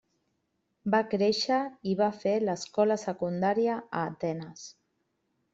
Va créixer i va fer l'escola secundària a Atenes.